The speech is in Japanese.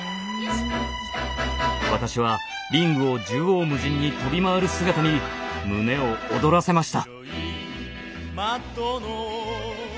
私はリングを縦横無尽に飛び回る姿に胸を躍らせました。